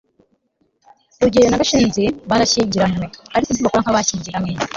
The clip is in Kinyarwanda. rugeyo na gashinzi barashyingiranywe, ariko ntibakora nk'abashyingiranywe